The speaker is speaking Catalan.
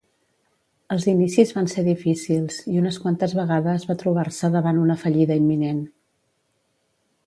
Els inicis van ser difícils i unes quantes vegades va trobar-se davant una fallida imminent.